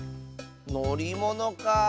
「のりもの」かあ。